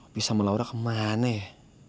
bisa melaurak ke mana ya